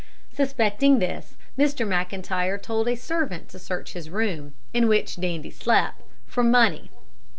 Suspecting this, Mr McIntyre told a servant to search his room in which Dandie slept for money.